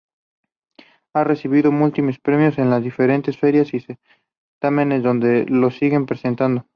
Ha recibido múltiples premios en las diferentes ferias y certámenes donde los sigue presentando.